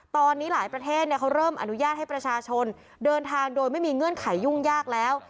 ตอนนี้หลายประเทศเขาเริ่มอนุญาตให้ประชาชนเดินทางโดยไม่มีเงื่อนไขยุ่งยากแล้ว